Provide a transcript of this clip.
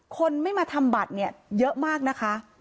คนไม่มาทำบัตรเนี่ยเยอะมากนะคะ